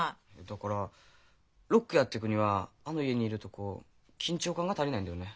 だからロックやってくにはあの家にいるとこう緊張感が足りないんだよね。